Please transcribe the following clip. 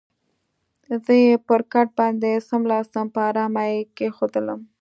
زه یې پر کټ باندې څملاستم، په آرامه یې کېښودلم.